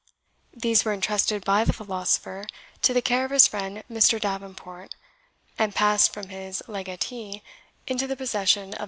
These were entrusted by the philosopher to the care of his friend Mr. Davenport, and passed from his legatee into the possession of Mr. Badnall.